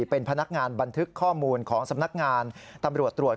เป็นพนักงานบันทึกข้อมูลของสำนักงานตำรวจตรวจ